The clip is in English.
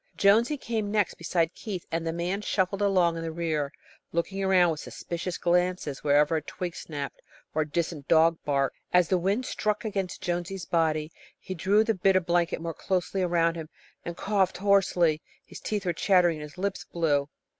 Jonesy came next beside Keith, and the man shuffled along in the rear, looking around with suspicious glances whenever a twig snapped, or a distant dog barked. As the wind struck against Jonesy's body, he drew the bit of blanket more closely around him, and coughed hoarsely. His teeth were chattering and his lips blue.